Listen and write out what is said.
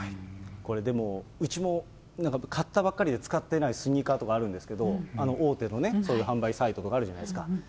これでも、うちも買ったばっかりで使ってないスニーカーとかあるんですけど、大手のね、そういう販売サイトとかあるじゃないですか。